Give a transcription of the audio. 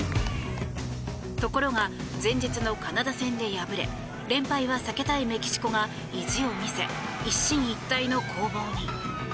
ところが前日のカナダ戦で敗れ連敗は避けたいメキシコが意地を見せ一進一退の攻防に。